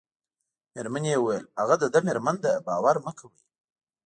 مېرمنې یې وویل: هغه د ده مېرمن ده، باور مه کوئ.